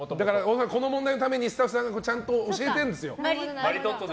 この問題のためにスタッフさんが教えてるんですよ。